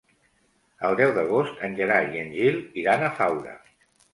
El deu d'agost en Gerai i en Gil iran a Faura.